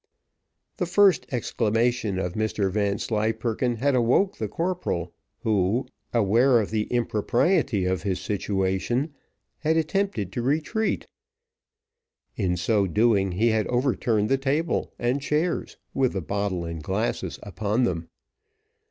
The first exclamation of Mr Vanslyperken had awoke the corporal, who, aware of the impropriety of his situation, had attempted to retreat; in so doing he had overturned the table and chairs, with the bottles and glasses upon them.